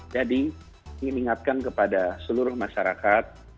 jadi ingin diingatkan kepada seluruh masyarakat